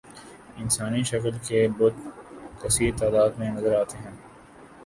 انسانی شکل کے بت کثیر تعداد میں نظر آتے ہیں